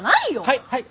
はいはい！